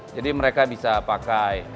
jadi mereka bisa pakai